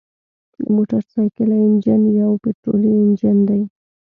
د موټرسایکل انجن یو پطرولي انجن دی.